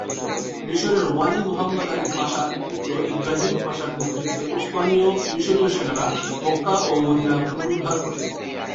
মিশরের ওয়ালি Muhammad Ali পাশার পুত্র ইবরাহিম পাশার নেতৃত্বে উসমানীয়-মিশরীয় সেনারা মক্কা ও মদিনা পুনরুদ্ধার করে।